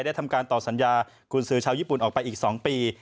ทำการต่อสัญญากุญสือชาวญี่ปุ่นออกไปอีก๒ปี